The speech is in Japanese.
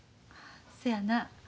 そやな。